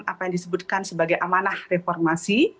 apa yang disebutkan sebagai amanah reformasi